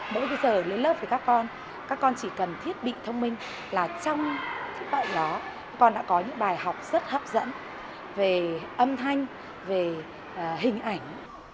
mỗi giờ lên lớp với các con các con chỉ cần thiết bị thông minh là trong các bạn đó con đã có những bài học rất hấp dẫn về âm thanh về hình ảnh